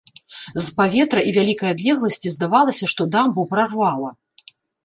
З паветра і вялікай адлегласці здавалася, што дамбу прарвала.